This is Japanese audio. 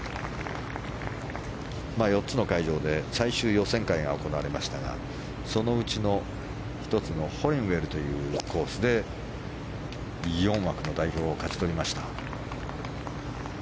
４つの会場で最終予選会が行われましたがそのうちの１つのコースで４枠の代表を勝ち取りました。